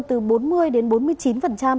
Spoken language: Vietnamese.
từ bốn mươi đến bốn mươi chín